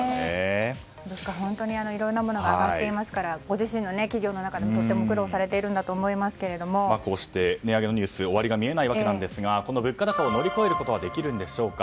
物価、本当にいろいろなものが上がっていますからご自身の企業の中でもとても苦労されているんだとこうして値上げのニュース終わりが見えないわけなんですがこの物価高を乗り越えることはできるんでしょうか。